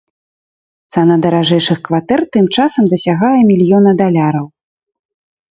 Цана даражэйшых кватэр тым часам дасягае мільёна даляраў.